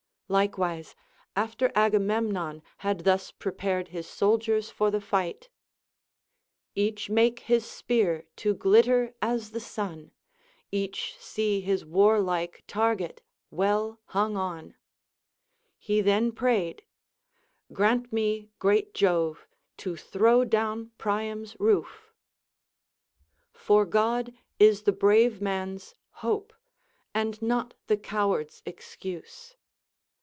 Likewise, after Agamemnon had thus prepared his soldiers for the fight, — Each make his spear to glitter as the sun, Each see his warlike target Avell hung on,— he then prayed, — Grant me, great Jove, to throw down Priam's roof.t For God is the brave man's hope, and not the coward's excuse.